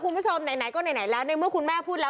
คุณผู้ชมไหนก็ไหนแล้วในเมื่อคุณแม่พูดแล้ว